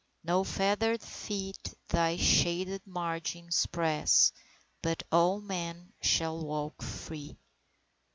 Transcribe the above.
No fettered feet thy shaded margins press, But all men shall walk free.